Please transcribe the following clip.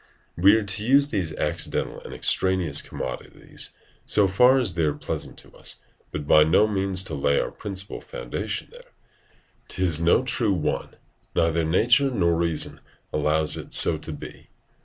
We are to use these accidental and extraneous commodities, so far as they are pleasant to us, but by no means to lay our principal foundation there; 'tis no true one; neither nature nor reason allows it so to be.